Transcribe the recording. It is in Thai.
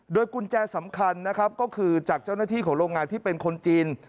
กุญแจสำคัญนะครับก็คือจากเจ้าหน้าที่ของโรงงานที่เป็นคนจีน